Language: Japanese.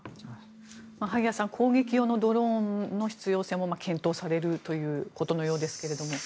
萩谷さん攻撃用のドローンの必要性も検討されるということですが。